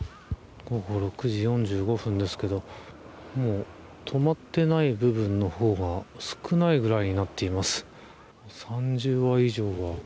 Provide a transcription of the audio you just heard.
午後６時４５分ですけどもう止まっていない部分の方が少ないぐらいになっています。